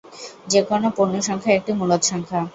যেকোন পূর্ণ সংখ্যা একটি মূলদ সংখ্যা।